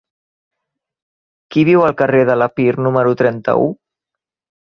Qui viu al carrer de l'Epir número trenta-u?